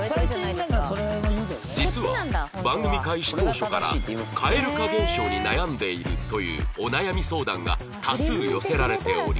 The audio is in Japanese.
実は番組開始当初から蛙化現象に悩んでいるというお悩み相談が多数寄せられており